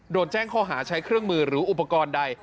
โดนแจ้งข้อหาใช้เครื่องมือหรืออุปกรณ์ใด